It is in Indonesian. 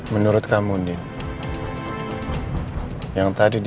menurut kamu nid